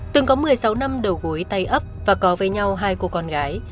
từng có một mươi sáu năm đầu gối tay ấp và có với nhau hai cô con gái